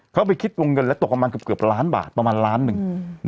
เขาไปคิดวงเงินแล้วตกประมาณเกือบล้านบาทประมาณล้านหนึ่ง